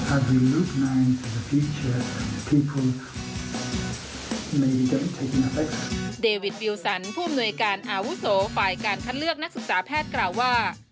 อาจารย์วิวสันพนอวุโสฝ่ายการคัดเลือกนักศึกษาแพทย์กล่าวว่า